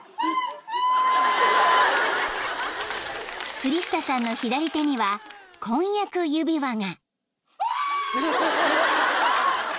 ［クリスタさんの左手には婚約指輪が］